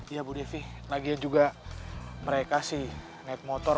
iya bu devi lagian juga mereka sih naik motor